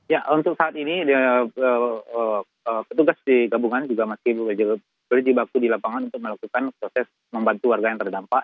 ya untuk saat ini petugas di gabungan juga masih berjibaku di lapangan untuk melakukan proses membantu warga yang terdampak